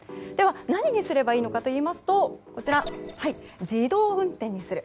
何にすればいいのかといいますと自動運転にする。